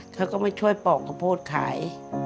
เค้าก็ไม่ช่วยป่อกขอโพดขาย